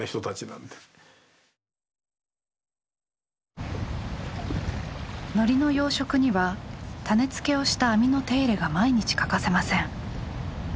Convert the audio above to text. のりの養殖には種付けをした網の手入れが毎日欠かせません。